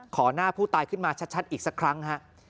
หน้าผู้ตายขึ้นมาชัดอีกสักครั้งฮะ